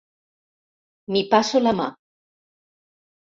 M'hi passo la mà.